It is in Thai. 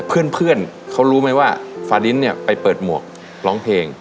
เพื่อนเขารู้ไหมว่าฟาลิ้นเนี่ยไปเปิดหมวกร้องเพลง